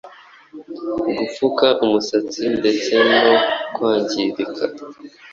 gupfuka umusatsi ndetse no kwangirika